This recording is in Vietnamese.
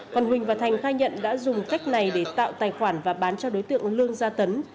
còn huỳnh và thành khai nhận đã dùng cách này để tạo tài khoản và bán cho đối tượng lương gia tấn